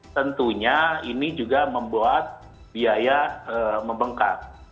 tentunya ini juga membuat biaya membengkak